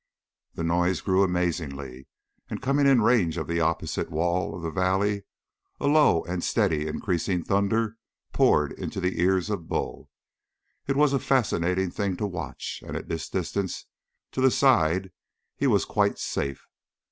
The noise grew amazingly, and coming in range of the opposite wall of the valley, a low and steadily increasing thunder poured into the ears of Bull. It was a fascinating thing to watch, and at this distance to the side he was quite safe.